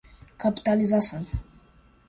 Capitalização